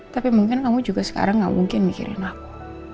tapi mungkin kamu juga sekarang gak mungkin mikirin aku